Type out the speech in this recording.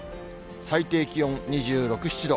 最低気温２６、７度。